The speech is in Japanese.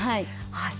はい。